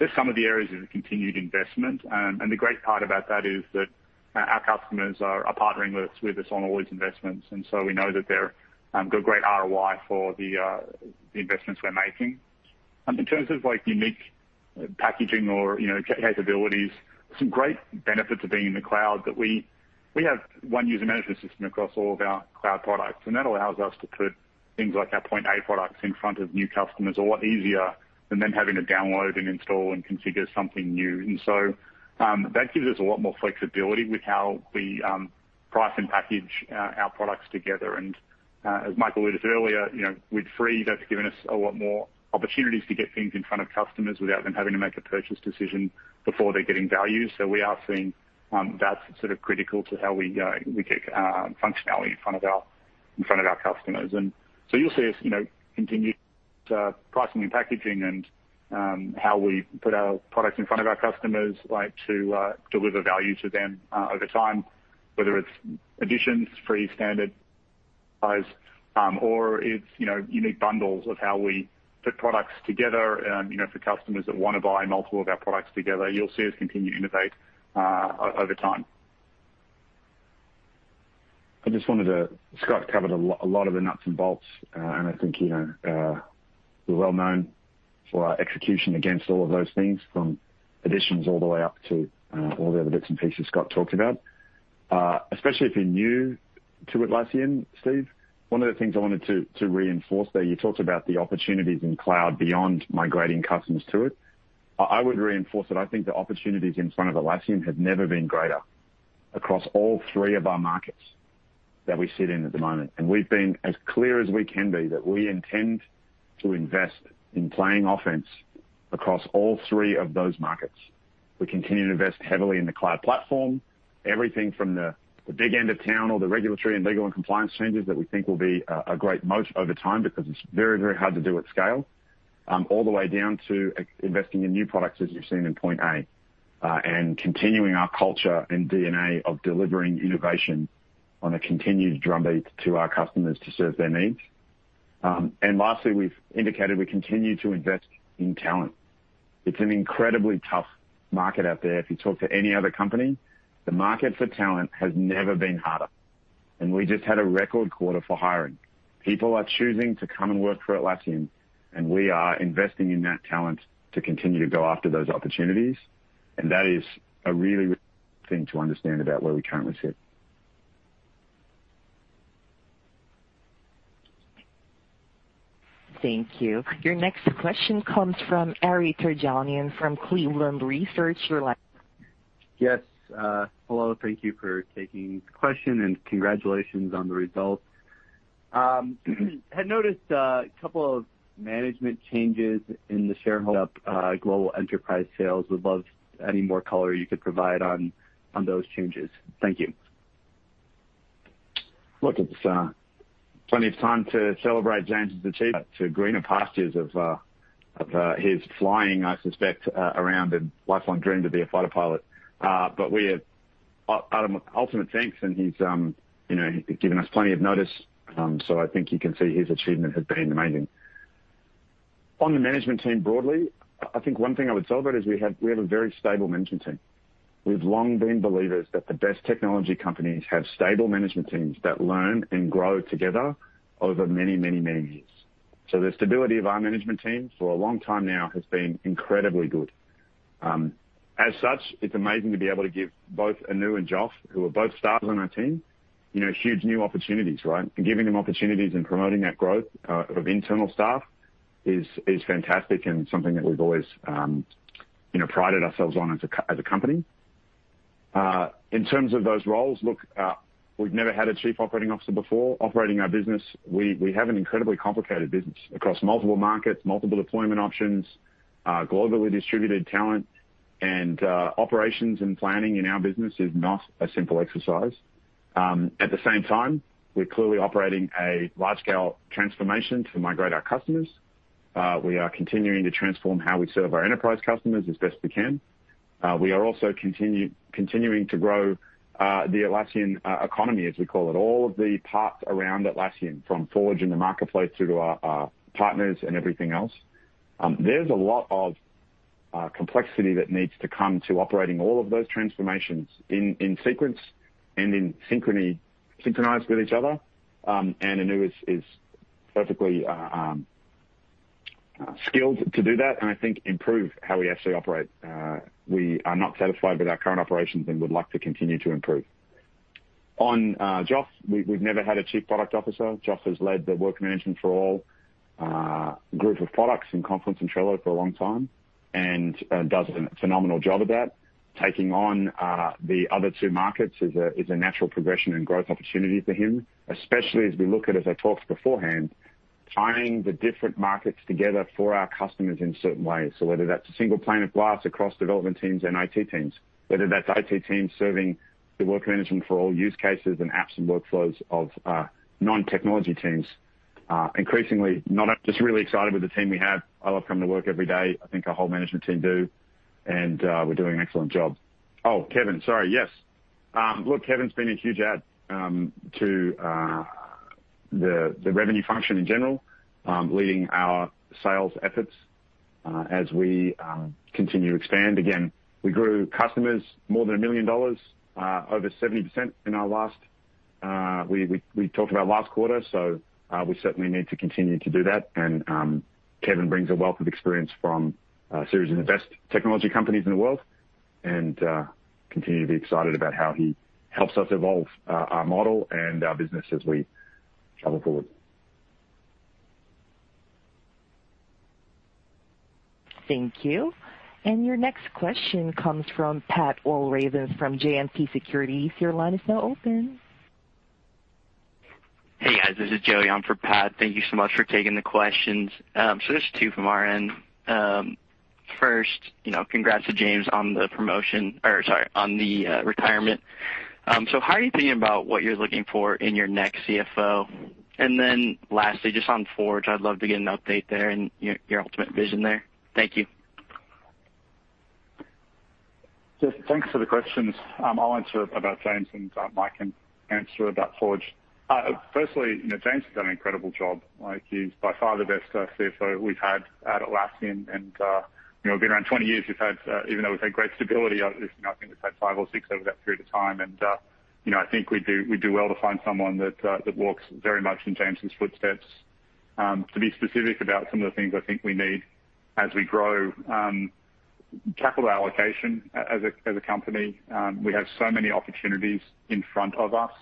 [SPEAKER 7] Just some of the areas of the continued investment. The great part about that is that our customers are partnering with us on all these investments, and so we know that they're great ROI for the investments we're making. In terms of like unique packaging or, you know, capabilities, some great benefits of being in the Cloud that we have one user management system across all of our Cloud products, and that allows us to put things like our Point A products in front of new customers a lot easier than them having to download and install and configure something new. That gives us a lot more flexibility with how we price and package our products together. As Michael alluded to earlier, you know, with free, that's given us a lot more opportunities to get things in front of customers without them having to make a purchase decision before they're getting value. We are seeing that's sort of critical to how we get functionality in front of our customers. You'll see us, you know, continue to pricing and packaging and how we put our products in front of our customers, like to deliver value to them over time, whether it's additions, free, standard, price or it's, you know, unique bundles of how we put products together. You know, for customers that wanna buy multiple of our products together, you'll see us continue to innovate over time. I just wanted to.
[SPEAKER 3] Scott covered a lot of the nuts and bolts, and I think, you know, we're well known for our execution against all of those things, from additions all the way up to, all the other bits and pieces Scott talked about. Especially if you're new to Atlassian, Steve, one of the things I wanted to reinforce there, you talked about the opportunities in Cloud beyond migrating customers to it. I would reinforce it. I think the opportunities in front of Atlassian have never been greater across all three of our markets that we sit in at the moment. We've been as clear as we can be that we intend to invest in playing offense across all three of those markets. We continue to invest heavily in the Cloud platform. Everything from the big end of town or the regulatory and legal and compliance changes that we think will be a great moat over time because it's very, very hard to do at scale, all the way down to investing in new products, as you've seen in Point A. Continuing our culture and DNA of delivering innovation on a continued drumbeat to our customers to serve their needs. Lastly, we've indicated we continue to invest in talent. It's an incredibly tough market out there. If you talk to any other company, the market for talent has never been harder. We just had a record quarter for hiring. People are choosing to come and work for Atlassian, and we are investing in that talent to continue to go after those opportunities.
[SPEAKER 7] That is a really good thing to understand about where we currently sit.
[SPEAKER 1] Thank you. Your next question comes from Ari Terjanian from Cleveland Research. Your line-
[SPEAKER 17] Yes. Hello. Thank you for taking this question, and congratulations on the results. I had noticed a couple of management changes in the global enterprise sales. Would love any more color you could provide on those changes. Thank you.
[SPEAKER 3] Look, it's plenty of time to celebrate James' achievement to greener pastures of his flying, I suspect, around a lifelong dream to be a fighter pilot. But we have ultimate thanks, and he's, you know, he's given us plenty of notice. I think you can see his achievement has been amazing. On the management team broadly, I think one thing I would celebrate is we have a very stable management team. We've long been believers that the best technology companies have stable management teams that learn and grow together over many, many, many years. The stability of our management team for a long time now has been incredibly good. As such, it's amazing to be able to give both Anu and Joff, who are both starters on our team, you know, huge new opportunities, right? Giving them opportunities and promoting that growth of internal staff is fantastic and something that we've always prided ourselves on as a company. In terms of those roles, look, we've never had a Chief Operating Officer before operating our business. We have an incredibly complicated business across multiple markets, multiple deployment options, globally distributed talent, and operations and planning in our business is not a simple exercise. At the same time, we're clearly operating a large scale transformation to migrate our customers. We are continuing to transform how we serve our enterprise customers as best we can. We are also continuing to grow the Atlassian economy, as we call it, all of the parts around Atlassian, from Forge and the Marketplace through to our partners and everything else. There's a lot of complexity that needs to come to operating all of those transformations in sequence and in synchrony, synchronized with each other. Anu is perfectly skilled to do that, and I think improve how we actually operate. We are not satisfied with our current operations and would like to continue to improve. On Joff, we've never had a Chief Product Officer. Joff has led the work management for all group of products in Confluence and Trello for a long time and does a phenomenal job at that. Taking on the other two markets is a natural progression and growth opportunity for him, especially as we look at, as I talked beforehand, tying the different markets together for our customers in certain ways. Whether that's a single pane of glass across development teams and IT teams, whether that's IT teams serving the work management for all use cases and apps and workflows of non-technology teams. Increasingly, we're really excited with the team we have. I love coming to work every day. I think our whole management team do, and we're doing an excellent job. Oh, Kevin. Sorry. Yes. Look, Kevin's been a huge add to the revenue function in general, leading our sales efforts, as we continue to expand. Again, we grew customers more than $1 million over 70% in our last quarter. We talked about last quarter, so we certainly need to continue to do that. Kevin brings a wealth of experience from a series of the best technology companies in the world, and continue to be excited about how he helps us evolve our model and our business as we travel forward.
[SPEAKER 1] Thank you. Your next question comes from Pat Walravens, from JMP Securities. Your line is now open.
[SPEAKER 18] Hey, guys, this is Joey on for Pat. Thank you so much for taking the questions. Just two from our end. First, you know, congrats to James on the retirement. How are you thinking about what you're looking for in your next CFO? Lastly, just on Forge, I'd love to get an update there and your ultimate vision there. Thank you.
[SPEAKER 7] Just thanks for the questions. I'll answer about James, and Mike can answer about Forge. Firstly, you know, James has done an incredible job. Like, he's by far the best CFO we've had at Atlassian and, you know, been around 20 years, we've had, even though we've had great stability, I think we've had 5 or 6 over that period of time. You know, I think we'd do well to find someone that walks very much in James' footsteps. To be specific about some of the things I think we need as we grow, capital allocation as a company, we have so many opportunities in front of us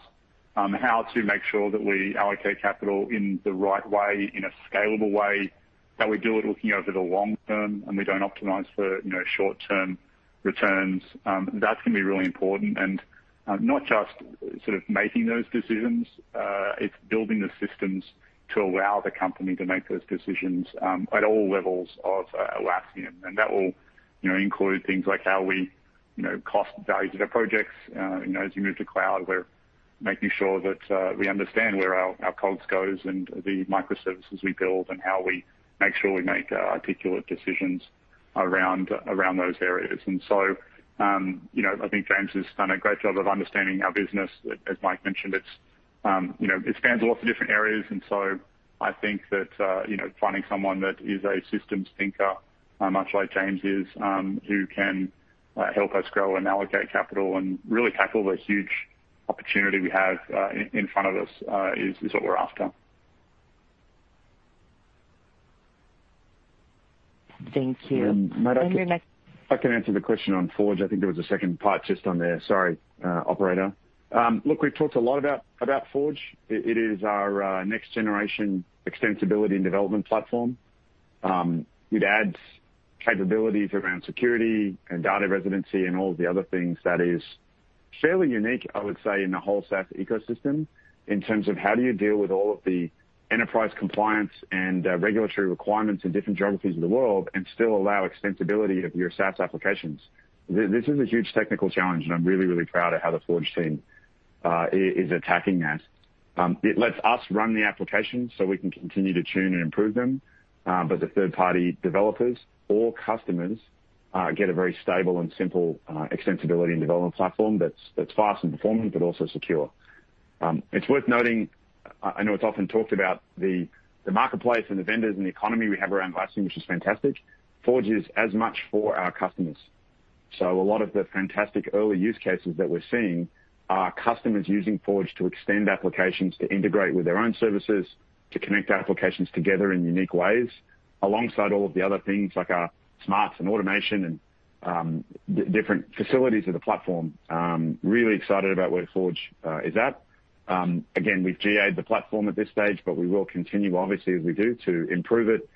[SPEAKER 7] on how to make sure that we allocate capital in the right way, in a scalable way, how we do it looking over the long term, and we don't optimize for, you know, short-term returns. That's going to be really important. Not just sort of making those decisions, it's building the systems to allow the company to make those decisions at all levels of Atlassian. That will, you know, include things like how we, you know, assign value to the projects. You know, as you move to Cloud, we're making sure that we understand where our code goes and the microservices we build and how we make articulate decisions around those areas. I think James has done a great job of understanding our business. As Mike mentioned, it's you know, it spans lots of different areas. I think that you know, finding someone that is a systems thinker, much like James is, who can help us grow and allocate capital and really tackle the huge opportunity we have in front of us is what we're after.
[SPEAKER 1] Thank you. Your next-
[SPEAKER 3] I can answer the question on Forge. I think there was a second part just on there. Sorry, operator. Look, we've talked a lot about Forge. It is our next generation extensibility and development platform. It adds capabilities around security and data residency and all the other things that is fairly unique, I would say, in the whole SaaS ecosystem, in terms of how do you deal with all of the enterprise compliance and regulatory requirements in different geographies of the world and still allow extensibility of your SaaS applications. This is a huge technical challenge, and I'm really proud of how the Forge team is attacking that. It lets us run the application so we can continue to tune and improve them. The third-party developers or customers get a very stable and simple extensibility and development platform that's fast in performance but also secure. It's worth noting, I know it's often talked about the marketplace and the vendors and the economy we have around Atlassian, which is fantastic. Forge is as much for our customers. A lot of the fantastic early use cases that we're seeing are customers using Forge to extend applications to integrate with their own services, to connect applications together in unique ways, alongside all of the other things like our smarts and automation and different facilities of the platform. Really excited about where Forge is at. Again, we've GA'd the platform at this stage, but we will continue, obviously, as we do, to improve it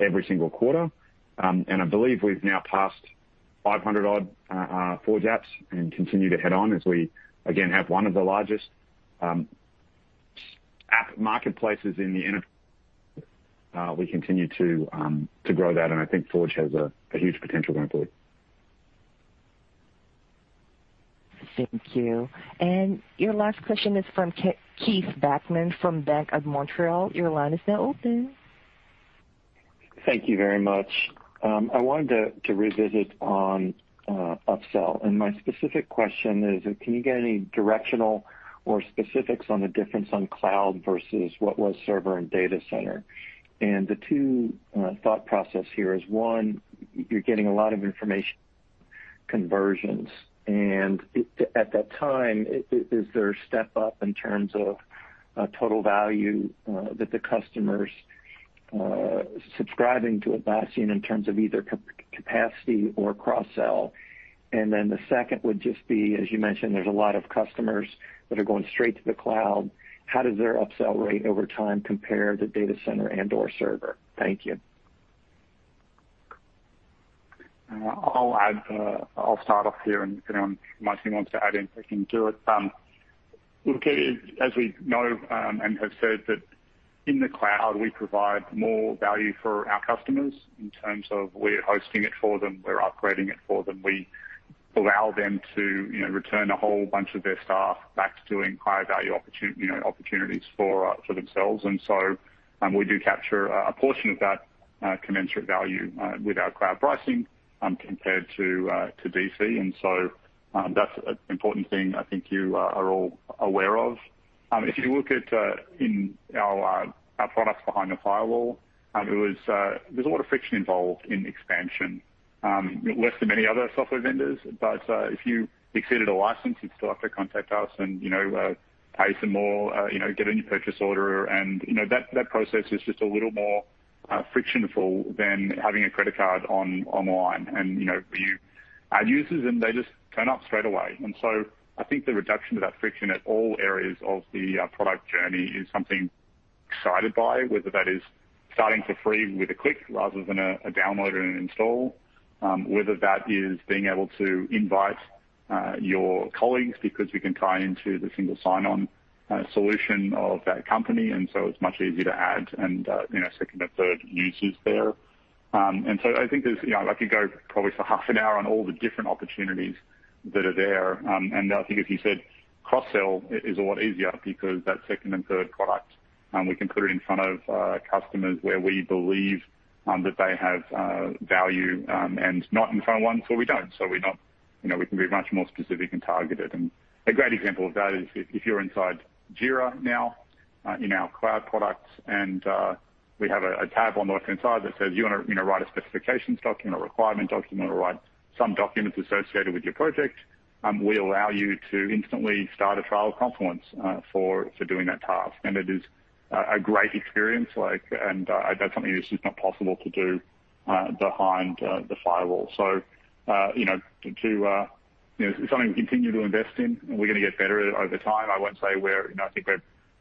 [SPEAKER 3] every single quarter. I believe we've now passed 500-odd Forge apps and continue to head on as we again have one of the largest app marketplaces we continue to grow that, and I think Forge has a huge potential going forward.
[SPEAKER 1] Thank you. Your last question is from Keith Bachman from BMO Capital Markets. Your line is now open.
[SPEAKER 19] Thank you very much. I wanted to revisit on upsell. My specific question is, can you get any directional or specifics on the difference on Cloud versus what was server and Data Center? The two thought process here is, one, you're getting a lot of migration conversions. At that time, is there a step up in terms of total value that the customer's subscribing to Atlassian in terms of either capacity or cross-sell? The second would just be, as you mentioned, there's a lot of customers that are going straight to the Cloud. How does their upsell rate over time compare to Data Center and/or server? Thank you.
[SPEAKER 7] I'll add, I'll start off here and, you know, if Martin wants to add in, he can do it. Look, as we know, we have said that in the Cloud, we provide more value for our customers in terms of we're hosting it for them, we're upgrading it for them. We allow them to, you know, return a whole bunch of their staff back to doing higher value, you know, opportunities for themselves. We do capture a portion of that commensurate value with our Cloud pricing compared to DC. That's an important thing I think you are all aware of. If you look at our products behind the firewall, it was... There's a lot of friction involved in expansion, less than many other software vendors. If you exceeded a license, you'd still have to contact us and, you know, pay some more, you know, get a new purchase order. You know, that process is just a little more frictionful than having a credit card online. You know, you add users, and they just turn up straight away. I think the reduction of that friction at all areas of the product journey is something exciting, whether that is starting for free with a click rather than a download and an install. Whether that is being able to invite your colleagues because we can tie into the single sign-on solution of that company, and so it's much easier to add and you know second or third users there. I think there's you know I could go probably for half an hour on all the different opportunities that are there. I think as you said, cross-sell is a lot easier because that second and third product we can put it in front of customers where we believe that they have value and not in front of ones where we don't. We're not, you know, we can be much more specific and targeted. A great example of that is if you're inside Jira now in our Cloud products, and we have a tab on the left-hand side that says you wanna, you know, write a specifications document or requirement document or write some documents associated with your project. We allow you to instantly start a trial of Confluence for doing that task. It is a great experience, like, and that's something that's just not possible to do behind the firewall. You know, something we continue to invest in and we're gonna get better at it over time. I won't say we're, you know. I think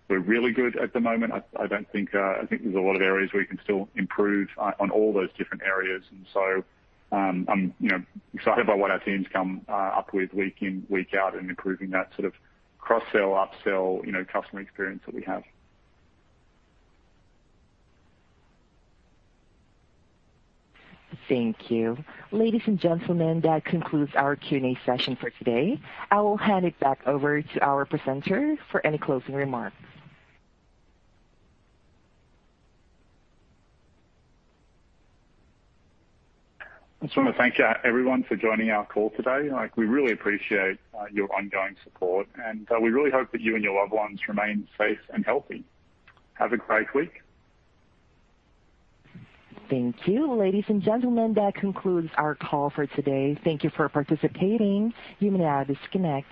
[SPEAKER 7] we're really good at the moment. I think there's a lot of areas we can still improve on all those different areas. I'm, you know, excited by what our teams come up with week in, week out in improving that sort of cross-sell, upsell, you know, customer experience that we have.
[SPEAKER 1] Thank you. Ladies and gentlemen, that concludes our Q&A session for today. I will hand it back over to our presenter for any closing remarks.
[SPEAKER 7] I just wanna thank everyone for joining our call today. Like, we really appreciate your ongoing support, and we really hope that you and your loved ones remain safe and healthy. Have a great week.
[SPEAKER 1] Thank you. Ladies and gentlemen, that concludes our call for today. Thank you for participating. You may now disconnect.